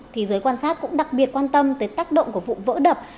thì giới quan sát cũng đặc biệt quan tâm tới tác động của vụ vỡ đập